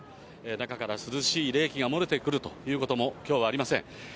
中から涼しい冷気が漏れてくるということもきょうはありません。